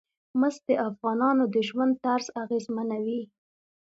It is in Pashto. مس د افغانانو د ژوند طرز اغېزمنوي.